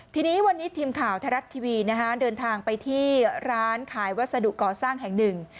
ทีนี้วันนี้ทีมข่าวไทยรัฐทีวีเดินทางไปที่ร้านขายวัสดุก่อสร้างแห่งหนึ่ง